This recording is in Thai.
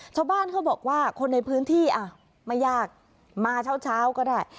ชาวบ้านเขาบอกว่าคนในพื้นที่อ่ะไม่ยากมาเช้าก็ได้